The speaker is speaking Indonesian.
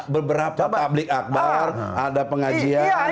beberapa tablik akbar ada pengajian